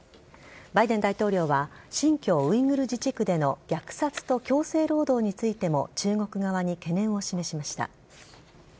バイデン大統領は新疆ウイグル自治区での虐殺と強制労働についても中国側に懸念を示しました。